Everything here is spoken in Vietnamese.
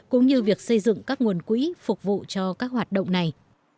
cũng như việc xây dựng các nguồn quỹ phục vụ cho các hoạt động này